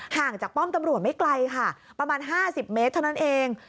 ห่างจากป้อมตำรวจไม่ไกลค่ะประมาณ๕๐เมตรเท่านั้นเอง